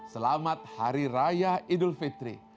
selamat hari raya idul fitri